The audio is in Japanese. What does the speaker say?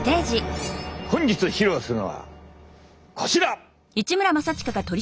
本日披露するのはこちら！